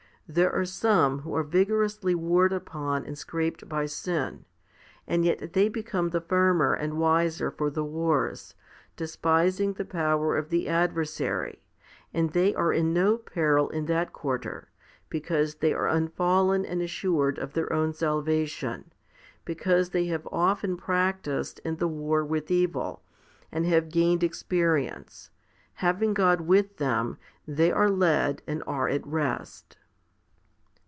There are some who are vigorously warred upon and scraped by sin ; and yet they become the firmer and wiser for the wars, despising the power of the adversary, and they are in no peril in that quarter, because they are unfallen and assured of their own salvation, because they have often practised in the war with evil, and have gained experience. Having God with them, they are led and are at rest.